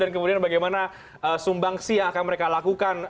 kemudian bagaimana sumbangsi yang akan mereka lakukan